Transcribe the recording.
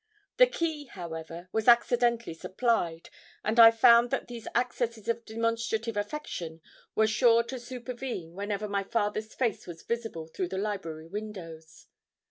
The key, however, was accidentally supplied, and I found that these accesses of demonstrative affection were sure to supervene whenever my father's face was visible through the library windows.